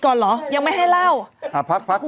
ขออีกทีอ่านอีกที